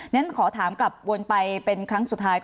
ฉันขอถามกลับวนไปเป็นครั้งสุดท้าย